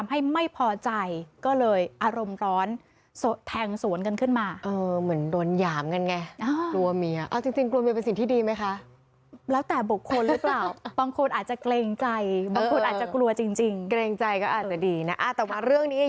ไหมคะแล้วแต่บุคคลหรือเปล่าบางคนอาจจะเกรงใจบางคนอาจจะกลัวจริงเกรงใจก็อาจจะดีนะแต่ว่าเรื่องนี้